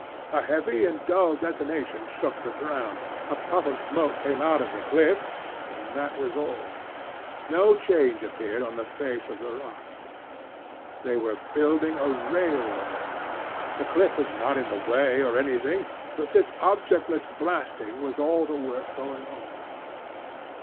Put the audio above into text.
A heavy and dull detonation shook the ground, a puff of smoke came out of the cliff, and that was all. No change appeared on the face of the rock. They were building a railway. The cliff was not in the way or anything; but this objectless blasting was all the work going on.